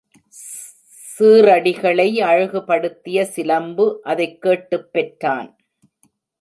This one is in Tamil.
சீறடிகளை அழகுபடுத்திய சிலம்பு அதைக்கேட்டுப் பெற்றான்.